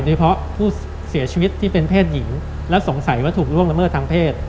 เฉพาะผู้เสียชีวิตที่เป็นเพศหญิงและสงสัยว่าถูกล่วงละเมิดทางเพศ